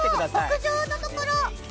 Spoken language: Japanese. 屋上のところ。